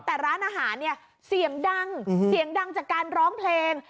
แต่ร้านอาหารเนี่ยเสียงดังเสียงดังจากการร้องเพลง